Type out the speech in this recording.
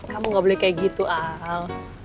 kamu gak boleh kayak gitu al